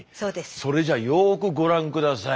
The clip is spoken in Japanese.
それじゃよくご覧下さい。